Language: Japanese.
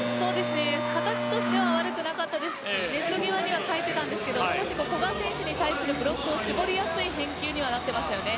形としては悪くなかったですけどネット際に返っていたんですけど古賀選手に対するブロックを絞りやすい返球になっていましたね。